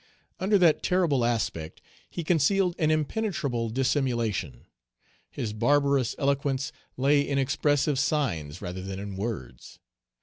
Under that terrible aspect he concealed an impenetrable dissimulation. His barbarous eloquence lay in expressive signs rather than in words.